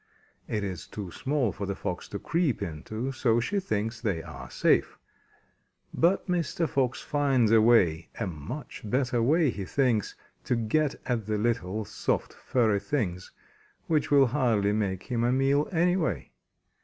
It is too small for the Fox to creep into, so she thinks they are safe. But Mr. Fox finds a way, a much better way, he thinks, to get at the little, soft, furry things, which will hardly make him a meal anyway.